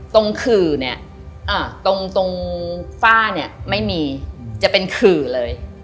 ขื่อเนี่ยตรงฝ้าเนี่ยไม่มีจะเป็นขื่อเลย